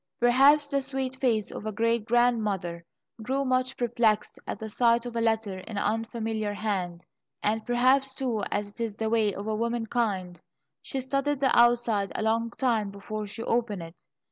Perhaps the sweet face of a great grandmother grew much perplexed at the sight of a letter in an unfamiliar hand, and perhaps, too, as is the way of womankind, she studied the outside a long time before she opened it.